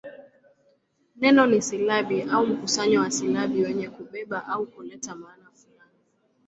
Neno ni silabi au mkusanyo wa silabi wenye kubeba au kuleta maana fulani.